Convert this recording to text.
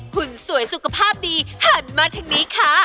คุณสวยสุขภาพดีหันมาทางนี้ค่ะ